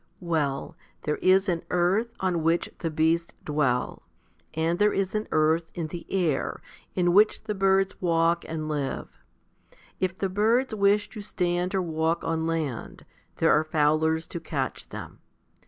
Well, there is an "earth," on which the beasts dwell; and there is an " earth " in the air, in which the birds walk and live. If the birds wish to stand or walk on land, there are fowlers to catch them.